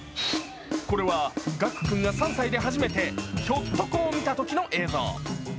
これは岳玖君が３歳で初めて、ひょっとこを見たときの映像。